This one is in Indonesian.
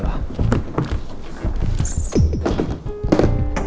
udah lama juga kan gak lama